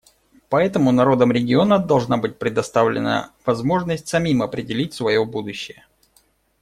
Поэтому народам региона должна быть предоставлена возможность самим определить свое будущее.